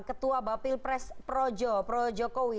ketua bapil pres projo pro jokowi